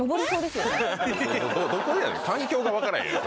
どこやねん環境が分からへんよ。